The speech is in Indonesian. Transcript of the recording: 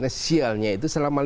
nah sialnya itu selama lima tahun